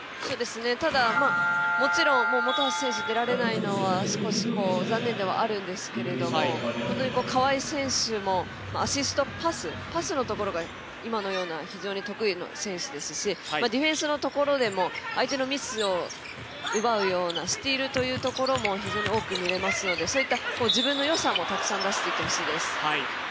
ただ、もちろん本橋選手は出られないのは残念ではあるんですけど川井選手もアシストパス、パスのところが今のような非常に得意の選手ですしディフェンスのところでも相手のミスを奪うようなスチールというところも非常に多く見れますのでそういった自分のよさもたくさん出していってほしいです。